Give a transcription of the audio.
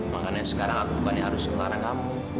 makanya sekarang aku bukan harus mengelola kamu